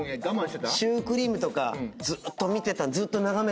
シュークリームとかずーっと見てた。